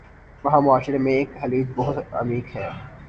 وہاں معاشرے میں ایک خلیج بہت عمیق ہے